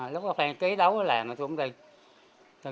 lúc đó phan giấy ký đấu làm thì tôi cũng đi